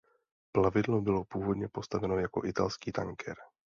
Plavidlo bylo původně postaveno jako italský tanker.